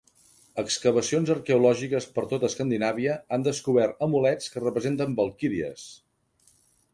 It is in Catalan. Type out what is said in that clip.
Excavacions arqueològiques per tot Escandinàvia han descobert amulets que representen valquíries.